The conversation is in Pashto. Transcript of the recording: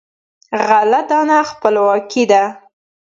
غله دانه خپلواکي ده.